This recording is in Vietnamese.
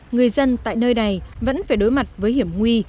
người dân tại nơi này vẫn phải đối mặt với hiểm nguy